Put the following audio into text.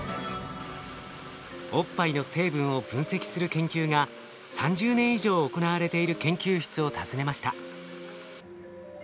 おっぱいの成分を分析する研究が３０年以上行われている研究室を訪ねました。